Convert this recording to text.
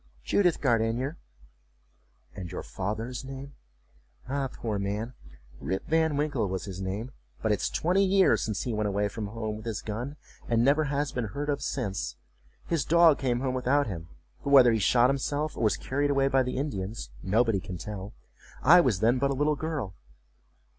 "Judith Gardenier.""And your father's name?""Ah, poor man, Rip Van Winkle was his name, but it's twenty years since he went away from home with his gun, and never has been heard of since—his dog came home without him; but whether he shot himself, or was carried away by the Indians, nobody can tell. I was then but a little girl."